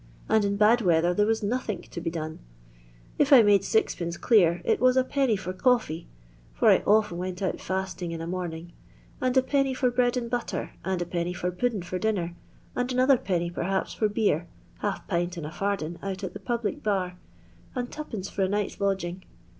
and in bad weather there was nothink to be done. If I made M. clear, it waa let. for cawfee — for I often went oat fasting in a morning •^and Id. for bread and batter, and \d, for podden for dinner, and another \d, perhaps for beer — half pint and a farden out at the public bar — and 2c{. for a night's lodging.